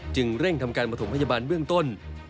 จึงเร่งทำการมาถุมพยาบาลเมื่องต้น